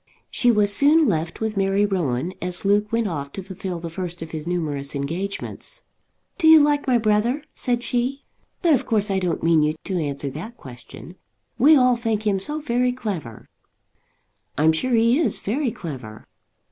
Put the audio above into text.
She was soon left with Mary Rowan, as Luke went off to fulfil the first of his numerous engagements. "Do you like my brother?" said she. "But of course I don't mean you to answer that question. We all think him so very clever." "I'm sure he is very clever."